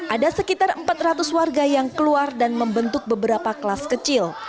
ada sekitar empat ratus warga yang keluar dan membentuk beberapa kelas kecil